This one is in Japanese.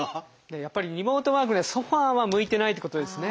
やっぱりリモートワークにはソファーは向いてないってことですね。